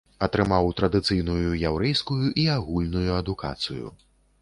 Атрымаў традыцыйную яўрэйскую і агульную адукацыю.